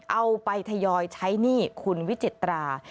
เอาไปทยอยใช้หนี้คุณวิจิตรา